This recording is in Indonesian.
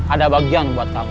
ada bagian buat kamu